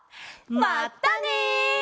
まったね！